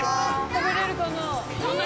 食べられるかな？